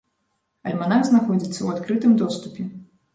Альманах знаходзіцца ў адкрытым доступе.